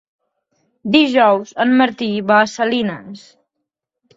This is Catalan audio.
Dijous en Martí va a Salines.